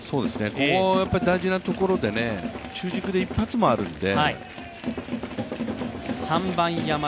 ここは大事なところで、中軸で一発もあるので。